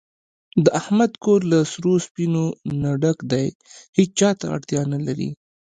د احمد کور له سرو سپینو نه ډک دی، هېچاته اړتیا نه لري.